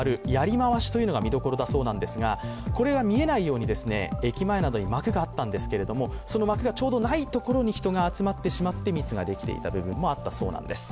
槍回しが見どころだそうですが、これが見えないようにですね、駅前などに幕があったんですけれどもその幕がない所に人が集まってしまって密ができていた部分もあったそうなんです。